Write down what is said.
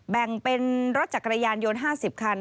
แปลงเป็นรถจากกระยานโยน๕๐คัน